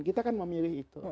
kita kan memilih itu